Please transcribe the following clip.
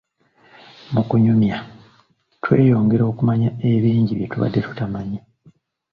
Mukunyumya, tweyongera okumanya ebingi bye tubadde tetumanyi.